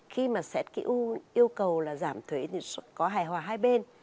khi mà setq yêu cầu là giảm thuế thì có hài hòa hai bên